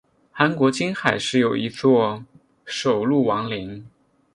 韩国金海市有一座首露王陵。